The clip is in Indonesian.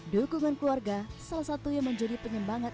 dukungan keluarga salah satu yang menjadi penyembangat